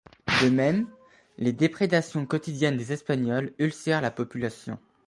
De même, les déprédations quotidiennes des Espagnols ulcèrent la population.